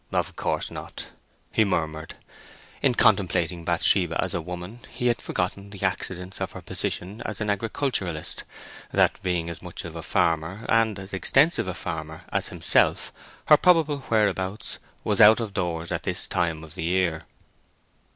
"Of course not," he murmured. In contemplating Bathsheba as a woman, he had forgotten the accidents of her position as an agriculturist—that being as much of a farmer, and as extensive a farmer, as himself, her probable whereabouts was out of doors at this time of the year.